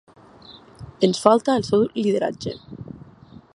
Ens falta el seu lideratge.